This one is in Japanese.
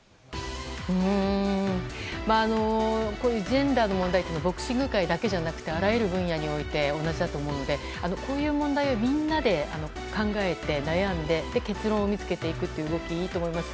ジェンダーの問題っていうのはボクシング界だけじゃなくてあらゆる分野において同じだと思うのでこういう問題をみんなで考えて悩んで結論を見つけていくという動きいいと思います。